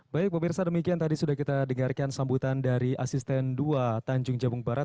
baik pemirsa demikian tadi sudah kita dengarkan sambutan dari asisten dua tanjung jabung barat